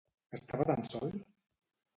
Estava tan sol!